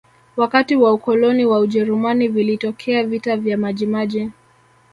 wakati wa ukoloni wa ujerumani vilitokea vita vya majimaji